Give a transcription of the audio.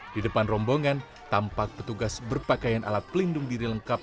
di depan rombongan tampak petugas berpakaian alat pelindung diri lengkap